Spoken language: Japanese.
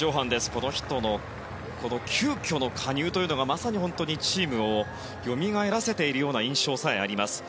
この人の急きょの加入というのがまさにチームをよみがえらせているような印象さえあります。